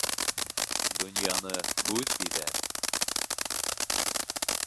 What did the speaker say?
Донъяны һүҙ биҙәр.